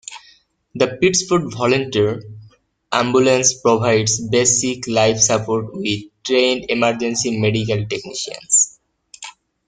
The Pittsford Volunteer Ambulance provides Basic Life Support with trained Emergency Medical Technicians.